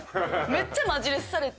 めっちゃマジレスされて。